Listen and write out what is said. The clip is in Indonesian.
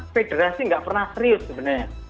federasi nggak pernah serius sebenarnya